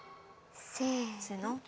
せの。